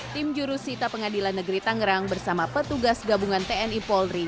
tim jurusita pengadilan negeri tangerang bersama petugas gabungan tni polri